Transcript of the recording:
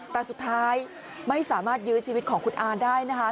แต่สุดท้ายไม่สามารถยื้อชีวิตของคุณอาได้นะคะ